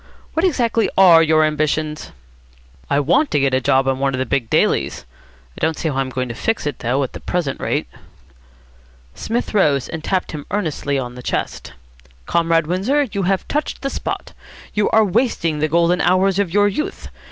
What exactly are your ambitions?" "I want to get a job on one of the big dailies. I don't see how I'm going to fix it, though, at the present rate." Psmith rose, and tapped him earnestly on the chest. "Comrade Windsor, you have touched the spot. You are wasting the golden hours of your youth.